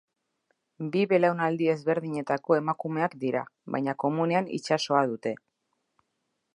Bi belaunaldi ezberdinetako emakumeak dira, baina komunean itsasoa dute.